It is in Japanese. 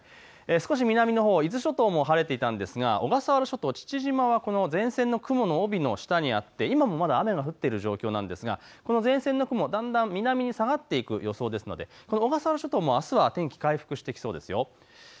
少し南のほう、伊豆諸島も晴れていたんですが小笠原諸島、父島はこの前線の雲の帯の下にあって今もまだ雨が降っている状況なんですが、この前線の雲、だんだん南に下がっていく予想ですので小笠原諸島もあすは天気、回復してきそうですよ。